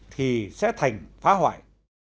thì sẽ thành phá hoại